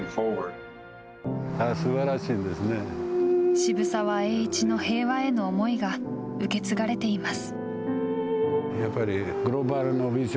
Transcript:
渋沢栄一の平和への思いが受け継がれています。